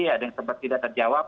ada yang sempat tidak terjawab